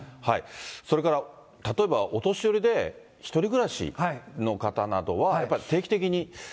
それから例えば、お年寄りで、１人暮らしの方などは、連絡ね。